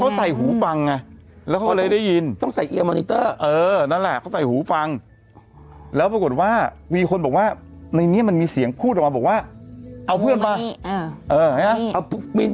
เขาใส่หูฟังไงแล้วเขาเลยได้ยินต้องใส่เอียมอนิเตอร์เออนั่นแหละเขาใส่หูฟังแล้วปรากฏว่ามีคนบอกว่าในนี้มันมีเสียงพูดออกมาบอกว่าเอาเพื่อนมา